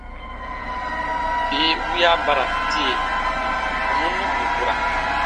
Bii wiya ba ra tie, bù nùn nukuru bura.